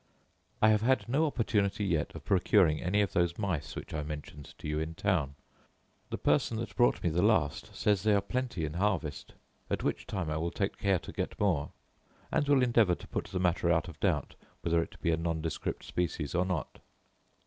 I have had no opportunity yet of procuring any of those mice which I mentioned to you in town. The person that brought me the last says they are plenty in harvest, at which time I will take care to get more; and will endeavour to put the matter out of doubt, whether it be a nondescript species or not.